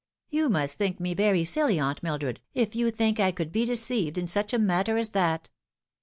You must think me very silly, Aunt Mildred, if you think I could be deceived in such a matter as that."